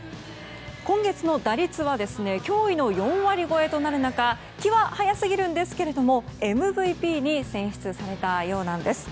今月の打率は驚異の４割超えとなる中気は早すぎるんですけどもＭＶＰに選出されたようなんです。